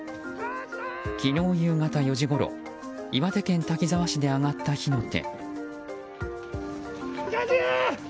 昨日夕方４時ごろ岩手県滝沢市で上がった火の手。